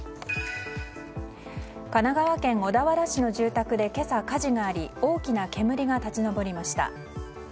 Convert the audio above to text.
神奈川県小田原市の住宅で今朝、火事があり大きな煙が立ち上りました。